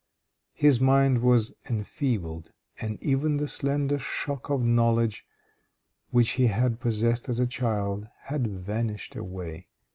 His mind was enfeebled, and even the slender stock of knowledge which he had possessed as a child, had vanished away.